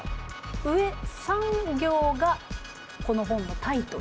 上３行がこの本のタイトル。